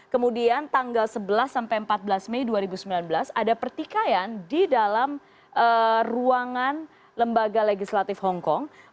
kemudian tanggal sebelas sampai empat belas mei dua ribu sembilan belas ada pertikaian di dalam ruangan lembaga legislatif hongkong